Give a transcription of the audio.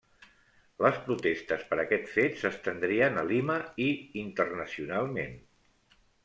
Les protestes per aquest fet s'estendrien a Lima i internacionalment.